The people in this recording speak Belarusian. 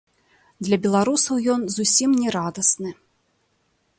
Для беларусаў ён зусім не радасны.